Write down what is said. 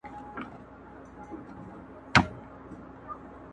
او ناڅاپي تورې وريځې په اسمان خورې شي